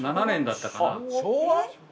昭和？